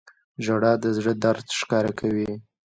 • ژړا د زړه درد ښکاره کوي.